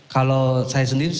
kalau saya sendiri sepuluh